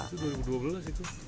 itu dua ribu dua belas itu